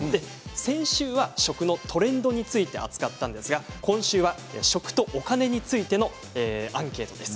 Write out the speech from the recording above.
先週は食のトレンドについて扱ったんですが今週は食とお金についてのアンケートです。